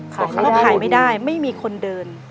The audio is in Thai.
เขาบอกว่าขายไม่ได้ไม่มีคนเดิน